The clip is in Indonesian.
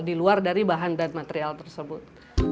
di luar dari bahan dan material tersebut